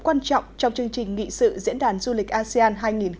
quan trọng trong chương trình nghị sự diễn đàn du lịch asean hai nghìn một mươi chín